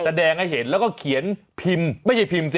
แสดงให้เห็นแล้วก็เขียนพิมพ์ไม่ใช่พิมพ์สิ